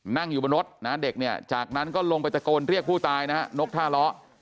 นั่งอยู่บนรถนะเด็กเนี่ยจากนั้นก็ลงไปตะโกนเรียกผู้ตายนะฮะนกท่าล้อ